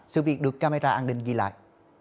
sự việc được camera an ninh ghi lại